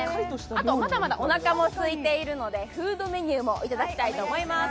あと、まだまだおなかもすいているのでフードメニューもいただきたいと思います。